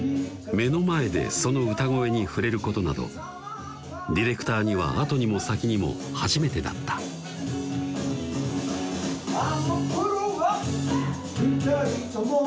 目の前でその歌声に触れることなどディレクターには後にも先にも初めてだった「あの頃はふたり共」